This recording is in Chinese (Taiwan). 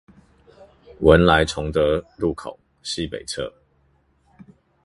文萊崇德路口西北側